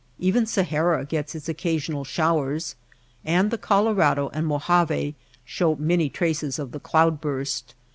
Even Sahara gets its occa sional showers, and the Colorado and the Mo jave show many traces of the cloud burst.